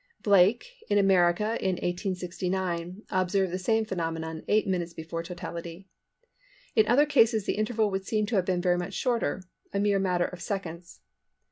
Blake, in America in 1869, observed the same phenomenon 8 minutes before totality. In other cases the interval would seem to have been very much shorter—a mere matter of seconds.